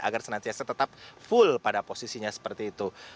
agar senantiasa tetap full pada posisinya seperti itu